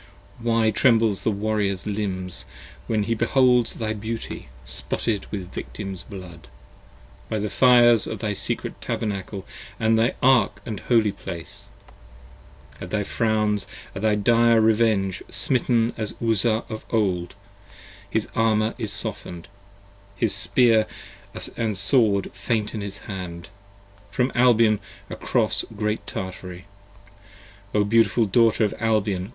Why trembles the Warriors limbs when he beholds thy beauty Spotted with Victims' blood: by the fires of thy secret tabernacle 50 And thy ark & holy place: at thy frowns, at thy dire revenge: Smitten as Uzzah of old, his armour is soften'd: his spear And sword faint in his hand, from Albion across Great Tartary. O beautiful Daughter of Albion!